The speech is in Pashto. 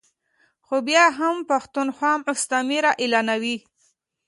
خو بیا هم پښتونخوا مستعمره اعلانوي ا